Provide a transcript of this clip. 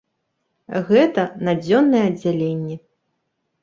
Гэта на дзённае аддзяленне.